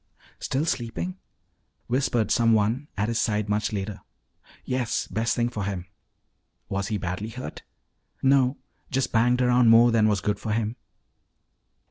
" still sleeping?" whispered someone at his side much later. "Yes, best thing for him." "Was he badly hurt?" "No, just banged around more than was good for him."